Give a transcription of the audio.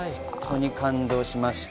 感動しました。